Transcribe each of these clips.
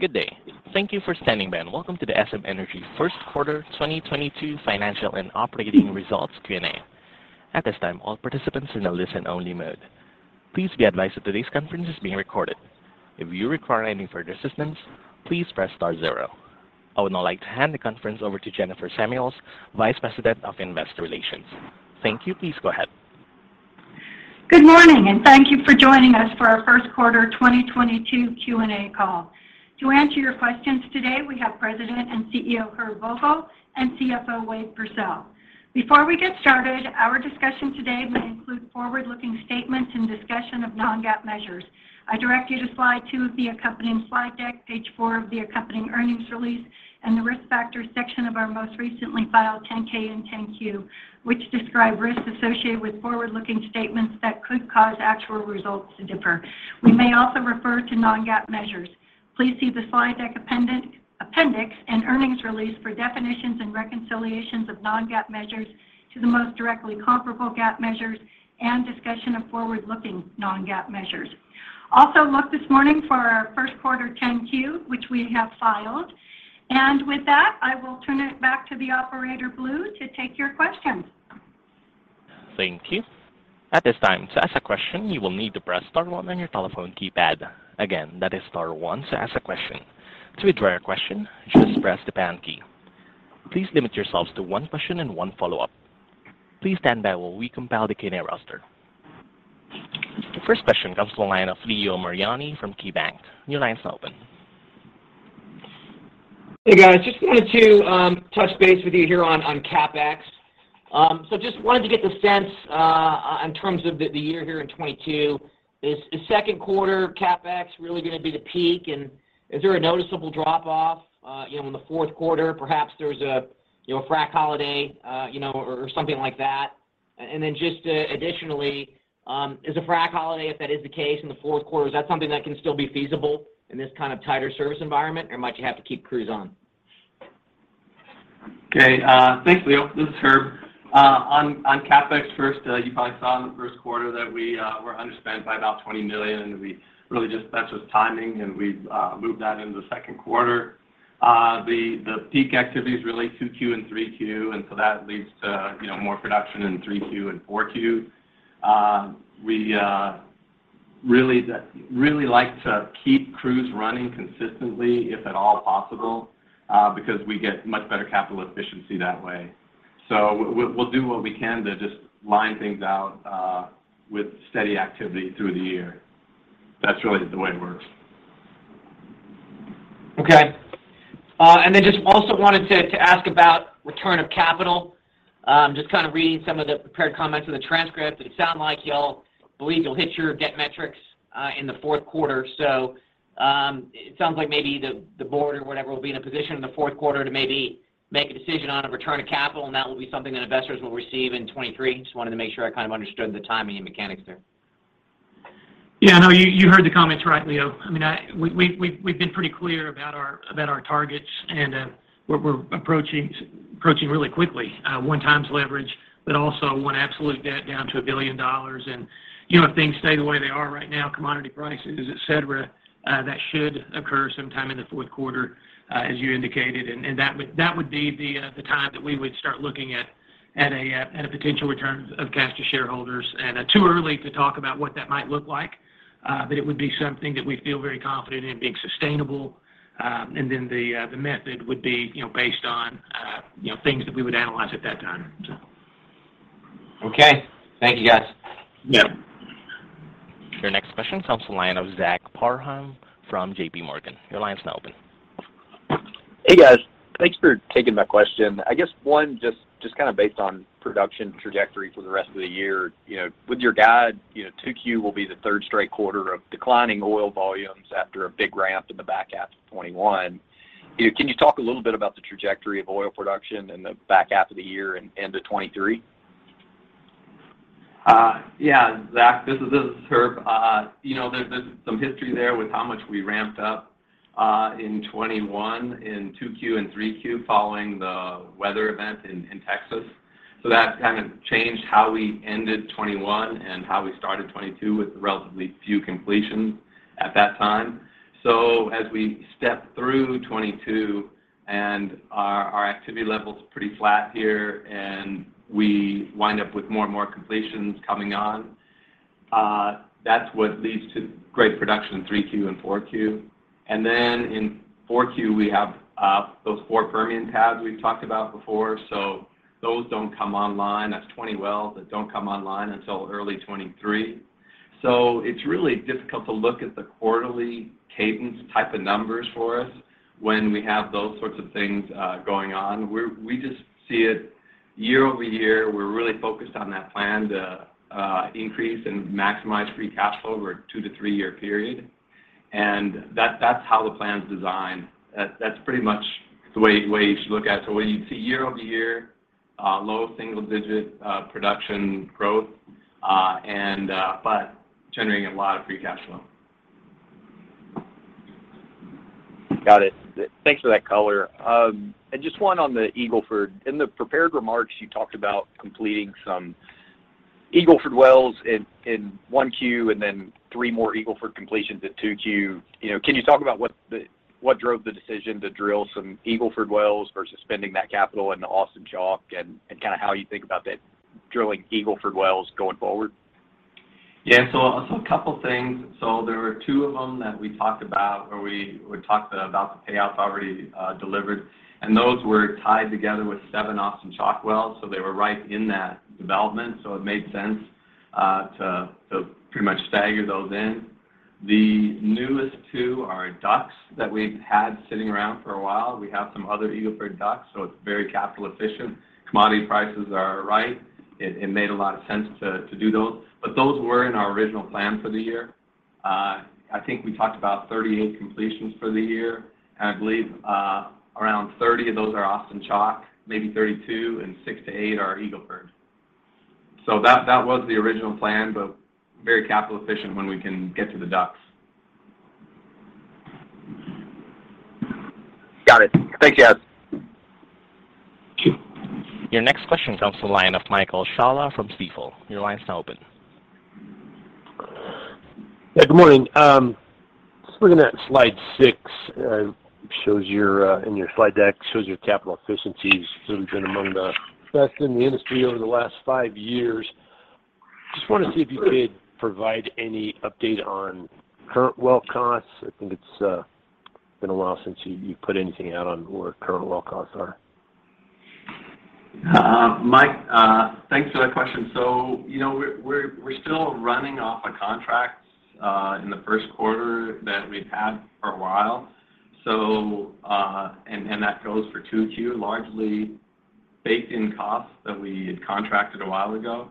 Good day. Thank you for standing by, and welcome to the SM Energy first quarter 2022 financial and operating results Q&A. At this time, all participants are in a listen-only mode. Please be advised that today's conference is being recorded. If you require any further assistance, please press star zero. I would now like to hand the conference over to Jennifer Samuels, Vice President of Investor Relations. Thank you. Please go ahead. Good morning, and thank you for joining us for our first quarter 2022 Q&A call. To answer your questions today, we have President and CEO, Herb Vogel, and CFO, Wade Pursell. Before we get started, our discussion today may include forward-looking statements and discussion of non-GAAP measures. I direct you to slide 2 of the accompanying slide deck, page 4 of the accompanying earnings release, and the Risk Factors section of our most recently filed 10-K and 10-Q, which describe risks associated with forward-looking statements that could cause actual results to differ. We may also refer to non-GAAP measures. Please see the slide deck appendix and earnings release for definitions and reconciliations of non-GAAP measures to the most directly comparable GAAP measures and discussion of forward-looking non-GAAP measures. Also, look this morning for our first quarter 10-Q, which we have filed. With that, I will turn it back to the operator, Blue, to take your questions. Thank you. At this time, to ask a question, you will need to press star one on your telephone keypad. Again, that is star one to ask a question. To withdraw your question, just press the pound key. Please limit yourselves to one question and one follow-up. Please stand by while we compile the Q&A roster. The first question comes from the line of Leo Mariani from KeyBanc. Your line is now open. Hey, guys. Just wanted to touch base with you here on CapEx. Just wanted to get the sense in terms of the year here in 2022. Is second quarter CapEx really gonna be the peak? Is there a noticeable drop off, you know, in the fourth quarter? Perhaps there's a you know, frac holiday, you know, or something like that. Just additionally, is a frac holiday, if that is the case, in the fourth quarter, something that can still be feasible in this kind of tighter service environment, or might you have to keep crews on? Okay. Thanks, Leo. This is Herb. On CapEx, first, you probably saw in the first quarter that we were underspent by about $20 million. We really just, that's just timing, and we moved that into the second quarter. The peak activities really 2Q and 3Q, and so that leads to, you know, more production in 3Q and 4Q. We really like to keep crews running consistently, if at all possible, because we get much better capital efficiency that way. We'll do what we can to just line things out with steady activity through the year. That's really the way it works. Okay. Then just also wanted to ask about return of capital. Just kind of reading some of the prepared comments in the transcript, it sounded like y'all believe you'll hit your debt metrics in the fourth quarter. It sounds like maybe the board or whatever will be in a position in the fourth quarter to maybe make a decision on a return of capital, and that will be something that investors will receive in 2023. Just wanted to make sure I kind of understood the timing and mechanics there. Yeah. No. You heard the comments right, Leo. I mean, we've been pretty clear about our targets and what we're approaching really quickly. 1x leverage, but also our absolute debt down to $1 billion. You know, if things stay the way they are right now, commodity prices, et cetera, that should occur sometime in the fourth quarter, as you indicated. That would be the time that we would start looking at a potential return of cash to shareholders. Too early to talk about what that might look like, but it would be something that we feel very confident in being sustainable. The method would be, you know, based on, you know, things that we would analyze at that time. Okay. Thank you, guys. Yeah. Your next question comes from the line of Zach Parham from JPMorgan. Your line is now open. Hey, guys. Thanks for taking my question. I guess one, just kind of based on production trajectory for the rest of the year, you know, with your guide, you know, 2Q will be the third straight quarter of declining oil volumes after a big ramp in the back half of 2021. You know, can you talk a little bit about the trajectory of oil production in the back half of the year and into 2023? Yeah, Zach. This is Herb. You know, there's some history there with how much we ramped up in 2021 in 2Q and 3Q following the weather event in Texas. That kind of changed how we ended 2021 and how we started 2022 with relatively few completions at that time. As we step through 2022 and our activity level's pretty flat here and we wind up with more and more completions coming on, that's what leads to great production in 3Q and 4Q. In 4Q, we have those four Permian pads we've talked about before. Those don't come online. That's 20 wells that don't come online until early 2023. It's really difficult to look at the quarterly cadence type of numbers for us when we have those sorts of things going on. We just see it year-over-year. We're really focused on that plan to increase and maximize free cash flow over a 2- to 3-year period. That's how the plan's designed. That's pretty much the way you should look at. What you'd see year-over-year, low single-digit production growth, but generating a lot of free cash flow. Got it. Thanks for that color. Just one on the Eagle Ford. In the prepared remarks, you talked about completing some Eagle Ford wells in 1Q and then 3 more Eagle Ford completions in 2Q. You know, can you talk about what drove the decision to drill some Eagle Ford wells versus spending that capital in the Austin Chalk and kinda how you think about that drilling Eagle Ford wells going forward? A couple things. There were two of them that we talked about, or we talked about the payouts already, delivered, and those were tied together with 7 Austin Chalk wells. They were right in that development, so it made sense to pretty much stagger those in. The newest 2 are DUCs that we've had sitting around for a while. We have some other Eagle Ford DUCs, so it's very capital efficient. Commodity prices are right. It made a lot of sense to do those. Those were in our original plan for the year. I think we talked about 38 completions for the year, and I believe around 30 of those are Austin Chalk, maybe 32, and 6-8 are Eagle Ford. That was the original plan, but very capital efficient when we can get to the DUCs. Got it. Thanks, Herb. Your next question comes from the line of Michael Scialla from Stifel. Your line's now open. Yeah. Good morning. Just looking at slide 6, it shows in your slide deck your capital efficiencies have been among the best in the industry over the last 5 years. Just wanna see if you could provide any update on current well costs. I think it's been a while since you put anything out on what current well costs are. Mike, thanks for that question. You know, we're still running off of contracts in the first quarter that we've had for a while, and that goes for 2Q, largely baked in costs that we had contracted a while ago.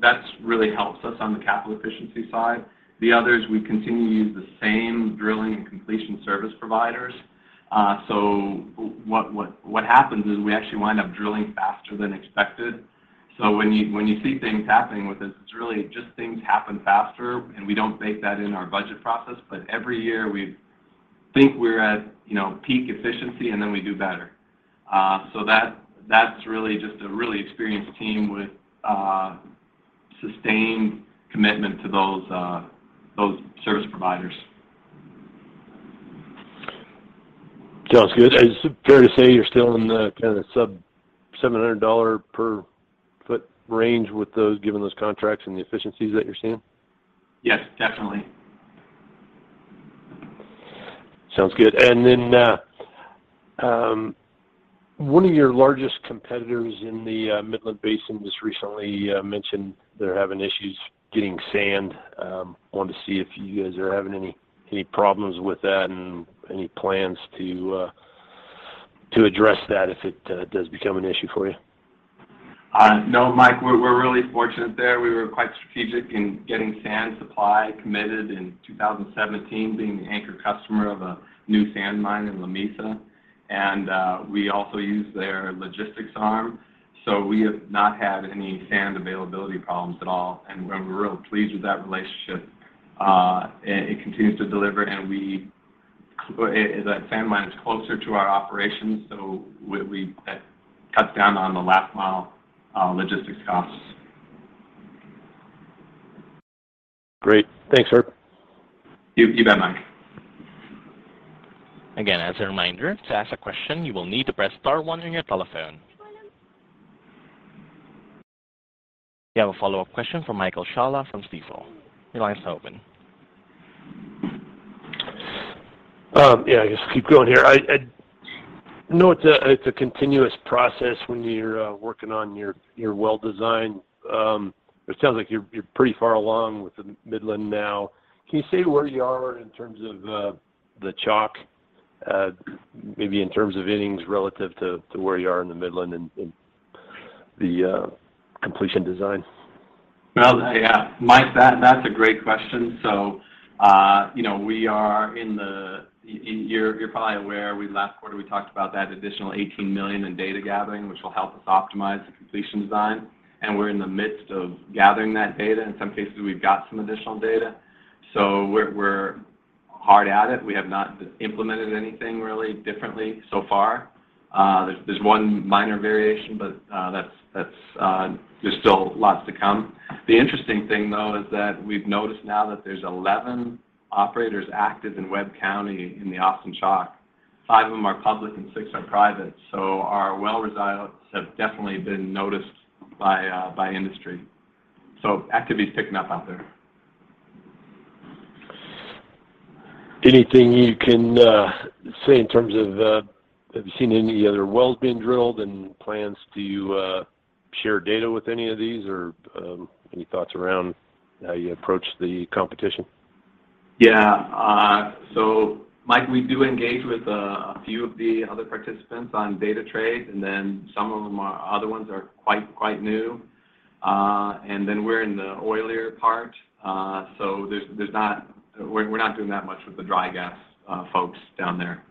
That really helps us on the capital efficiency side. The other is we continue to use the same drilling and completion service providers. What happens is we actually wind up drilling faster than expected. When you see things happening with us, it's really just things happen faster, and we don't bake that in our budget process, but every year we think we're at, you know, peak efficiency, and then we do better. That's really just a really experienced team with sustained commitment to those service providers. Sounds good. Is it fair to say you're still in the kinda sub-$700 per foot range with those, given those contracts and the efficiencies that you're seeing? Yes, definitely. Sounds good. One of your largest competitors in the Midland Basin just recently mentioned they're having issues getting sand. Wanted to see if you guys are having any problems with that and any plans to address that if it does become an issue for you. No, Mike, we're really fortunate there. We were quite strategic in getting sand supply committed in 2017, being the anchor customer of a new sand mine in Lamesa. We also use their logistics arm. We have not had any sand availability problems at all, and we're real pleased with that relationship. It continues to deliver. That sand mine is closer to our operations, so it cuts down on the last mile logistics costs. Great. Thanks, sir. You bet, Mike. Again, as a reminder, to ask a question, you will need to press star one on your telephone. We have a follow-up question from Michael Scialla from Stifel. Your line's now open. Yeah, just keep going here. I know it's a continuous process when you're working on your well design. It sounds like you're pretty far along with the Midland now. Can you say where you are in terms of the Chalk, maybe in terms of innings relative to where you are in the Midland and the completion design? Well, yeah. Mike, that's a great question. You know, we are in the you're probably aware we, last quarter, we talked about that additional $18 million in data gathering, which will help us optimize the completion design, and we're in the midst of gathering that data. In some cases, we've got some additional data. We're hard at it. We have not implemented anything really differently so far. There's one minor variation, but that's there's still lots to come. The interesting thing, though, is that we've noticed now that there's 11 operators active in Webb County in the Austin Chalk. Five of them are public and six are private. Our well results have definitely been noticed by industry. Activity's picking up out there. Anything you can say in terms of have you seen any other wells being drilled, and plans do you share data with any of these, or any thoughts around how you approach the competition? Yeah. Mike, we do engage with a few of the other participants on data trade, and then some of them are, other ones are quite new. We're in the oilier part, so we're not doing that much with the dry gas folks down there.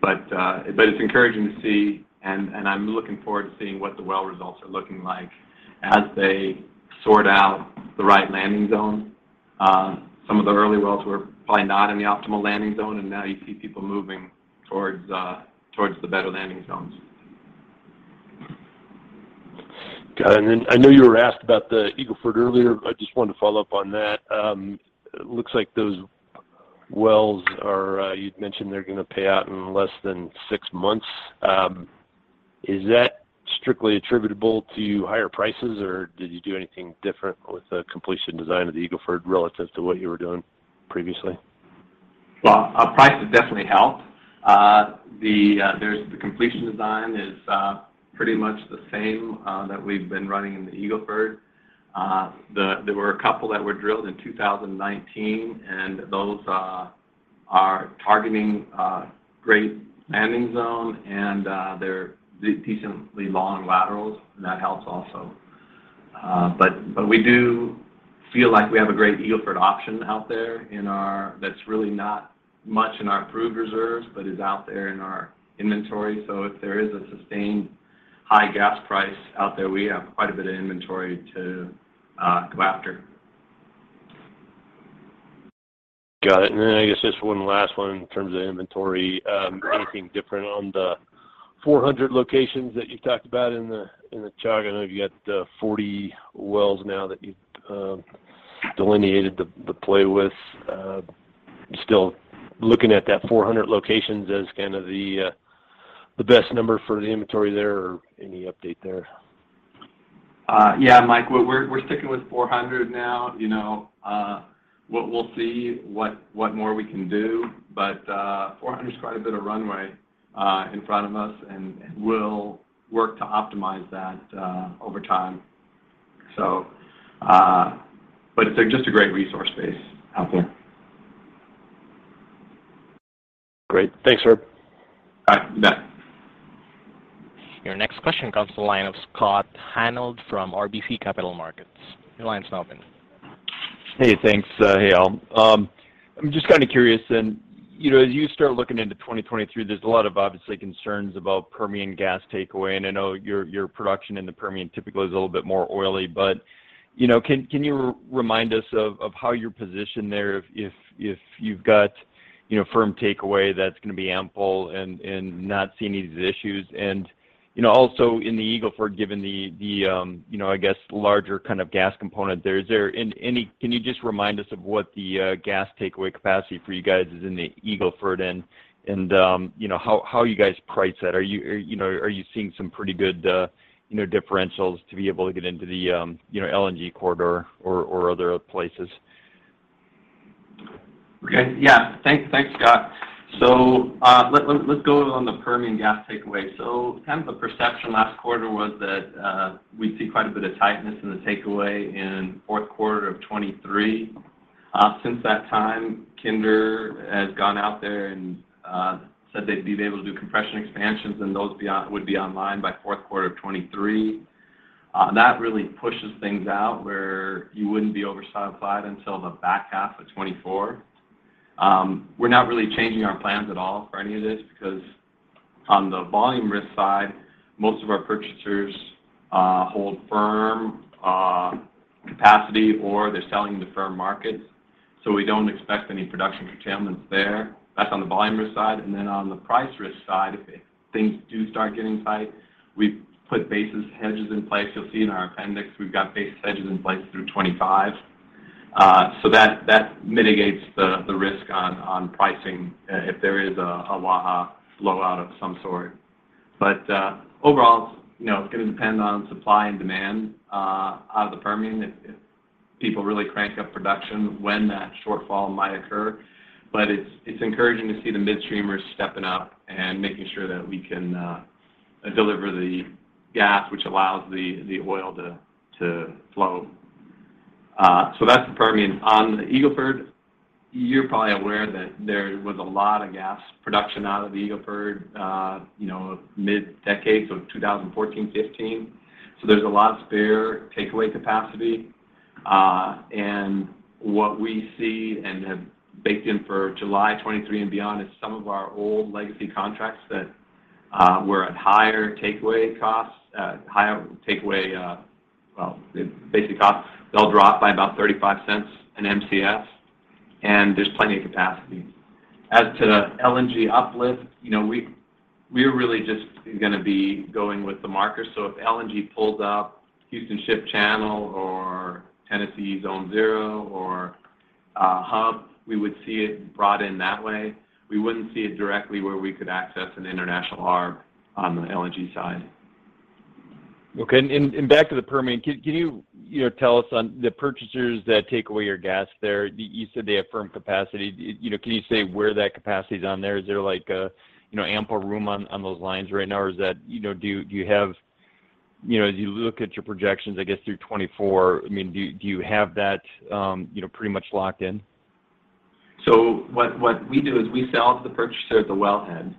It's encouraging to see, and I'm looking forward to seeing what the well results are looking like as they sort out the right landing zone. Some of the early wells were probably not in the optimal landing zone, and now you see people moving towards the better landing zones. Got it. I know you were asked about the Eagle Ford earlier. I just wanted to follow up on that. It looks like those wells are. You'd mentioned they're gonna pay out in less than six months. Is that strictly attributable to higher prices, or did you do anything different with the completion design of the Eagle Ford relative to what you were doing previously? Well, price has definitely helped. The completion design is pretty much the same that we've been running in the Eagle Ford. There were a couple that were drilled in 2019, and those are targeting great landing zone and they're decently long laterals, and that helps also. But we do feel like we have a great Eagle Ford option out there in our inventory that's really not much in our proved reserves, but is out there in our inventory. If there is a sustained high gas price out there, we have quite a bit of inventory to go after. Got it. I guess just one last one in terms of inventory. Anything different on the 400 locations that you talked about in the Chalk? I know you've got 40 wells now that you've delineated the play with. Still looking at that 400 locations as kind of the best number for the inventory there, or any update there? Yeah, Mike, we're sticking with 400 now. You know, we'll see what more we can do, but 400's quite a bit of runway in front of us, and we'll work to optimize that over time. But it's just a great resource base out there. Great. Thanks, Herb. All right. Mike. Your next question comes from the line of Scott Hanold from RBC Capital Markets. Your line's now open. Hey, thanks. Hey, all. I'm just kinda curious, and you know, as you start looking into 2023, there's a lot of obviously concerns about Permian gas takeaway, and I know your production in the Permian typically is a little bit more oily. You know, can you remind us of how you're positioned there if you've got you know, firm takeaway that's gonna be ample and not seeing any of these issues. You know, also in the Eagle Ford, given the you know, I guess larger kind of gas component there. Can you just remind us of what the gas takeaway capacity for you guys is in the Eagle Ford and you know, how you guys price that. Are you You know, are you seeing some pretty good, you know, differentials to be able to get into the, you know, LNG corridor or other places? Okay. Yeah. Thanks, Scott. Let's go on the Permian gas takeaway. Kind of the perception last quarter was that we'd see quite a bit of tightness in the takeaway in fourth quarter of 2023. Since that time, Kinder has gone out there and said they'd be able to do compression expansions, and those would be online by fourth quarter of 2023. That really pushes things out where you wouldn't be oversupplied until the back half of 2024. We're not really changing our plans at all for any of this because on the volume risk side, most of our purchasers hold firm capacity or they're selling into firm markets, so we don't expect any production curtailments there. That's on the volume risk side. On the price risk side, if things do start getting tight, we've put basis hedges in place. You'll see in our appendix, we've got basis hedges in place through 25. That mitigates the risk on pricing if there is a Waha flow out of some sort. Overall, you know, it's gonna depend on supply and demand out of the Permian if people really crank up production when that shortfall might occur. It's encouraging to see the midstreamers stepping up and making sure that we can deliver the gas, which allows the oil to flow. That's the Permian. On the Eagle Ford, you're probably aware that there was a lot of gas production out of the Eagle Ford, you know, mid-decade, so 2014, 2015, so there's a lot of spare takeaway capacity. What we see and have baked in for July 2023 and beyond is some of our old legacy contracts that were at higher takeaway costs, well, basic costs, they'll drop by about $0.35 per Mcf, and there's plenty of capacity. As to the LNG uplift, you know, we're really just gonna be going with the market. If LNG pulls up Houston Ship Channel or Tennessee Zone 0 or Hub, we would see it brought in that way. We wouldn't see it directly where we could access an international arb on the LNG side. Okay. Back to the Permian, can you know, tell us on the purchasers that take away your gas there? You said they have firm capacity. You know, can you say where that capacity is on there? Is there like, you know, ample room on those lines right now, or is that? You know, do you have? You know, as you look at your projections, I guess, through 2024, I mean, do you have that, you know, pretty much locked in? What we do is we sell to the purchaser at the wellhead.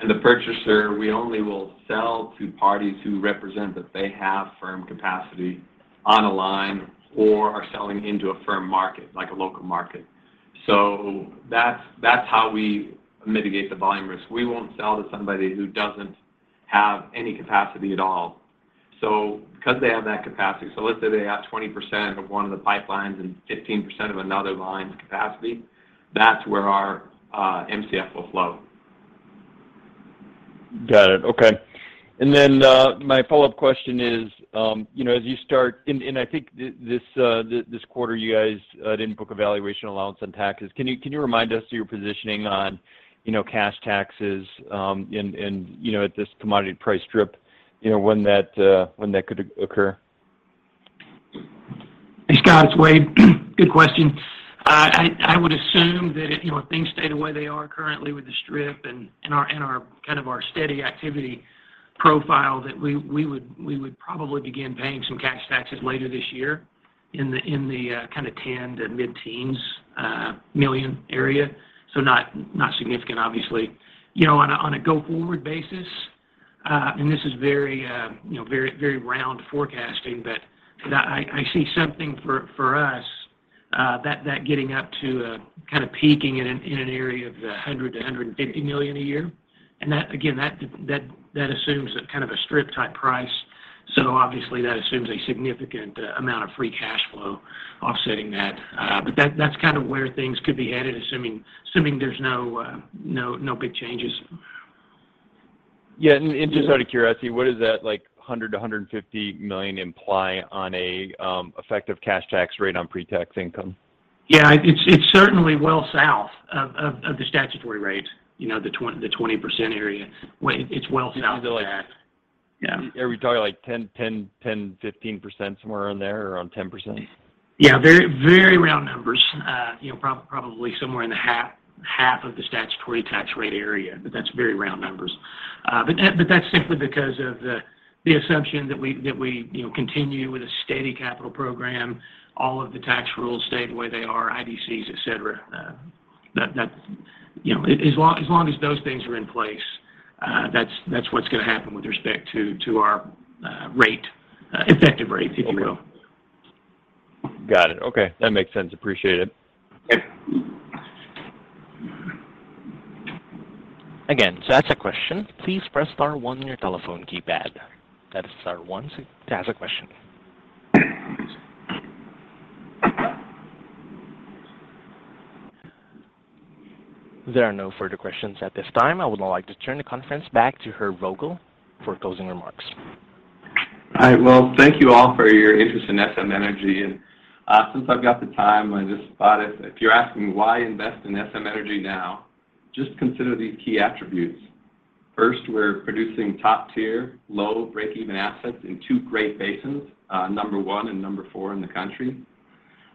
To the purchaser, we only will sell to parties who represent that they have firm capacity on a line or are selling into a firm market, like a local market. That's how we mitigate the volume risk. We won't sell to somebody who doesn't have any capacity at all. Because they have that capacity, let's say they have 20% of one of the pipelines and 15% of another line capacity, that's where our Mcf will flow. Got it. Okay. My follow-up question is, you know, I think this quarter, you guys didn't book a valuation allowance on taxes. Can you remind us of your positioning on, you know, cash taxes, and you know, at this commodity price strip, you know, when that could occur? Hey, Scott, it's Wade. Good question. I would assume that if, you know, if things stayed the way they are currently with the strip and our kind of steady activity profile, that we would probably begin paying some cash taxes later this year in the kind of $10 million to mid-teens million area. Not significant, obviously. You know, on a go-forward basis, and this is very, you know, very round forecasting, but I see something for us that getting up to kind of peaking in an area of $100 million-$150 million a year. That, again, assumes a kind of a strip type price. Obviously that assumes a significant amount of free cash flow offsetting that. That's kind of where things could be headed, assuming there's no big changes. Yeah. Just out of curiosity, what does that like $100 milllion-$150 million in paly on a effective cash tax rate on pre-tax income? Yeah. It's certainly well south of the statutory rate, you know, the 20% area. It's well south of that. Yeah. Are we talking like 10%, 15%, somewhere in there or around 10%? Yeah. Very, very round numbers. You know, probably somewhere in the half of the statutory tax rate area, but that's very round numbers. But that's simply because of the assumption that we, you know, continue with a steady capital program, all of the tax rules stay the way they are, IDCs, et cetera. That, you know, as long as those things are in place, that's what's gonna happen with respect to our rate, effective rate, if you will. Got it. Okay. That makes sense. Appreciate it. Yeah. Again, to ask a question, please press star one on your telephone keypad. That is star one to ask a question. There are no further questions at this time. I would now like to turn the conference back to Herb Vogel for closing remarks. All right. Well, thank you all for your interest in SM Energy. Since I've got the time, I just thought if you're asking why invest in SM Energy now, just consider these key attributes. First, we're producing top-tier low break even assets in two great basins, number 1 and number 4 in the country.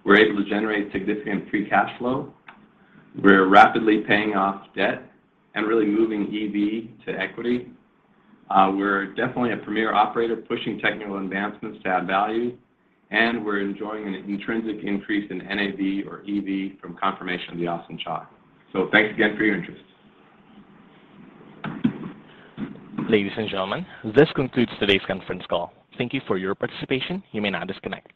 We're able to generate significant free cash flow. We're rapidly paying off debt and really moving EV to equity. We're definitely a premier operator pushing technical advancements to add value, and we're enjoying an intrinsic increase in NAV or EV from confirmation of the Austin Chalk. Thanks again for your interest. Ladies and gentlemen, this concludes today's conference call. Thank you for your participation. You may now disconnect.